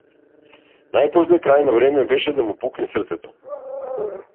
Најпосле крајно време беше да му пукне срцето.